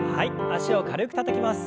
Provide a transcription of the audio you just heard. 脚を軽くたたきます。